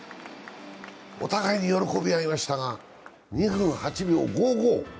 お互いに喜び合いましたが、２分８秒５５。